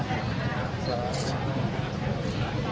อร่อยยและกะเลย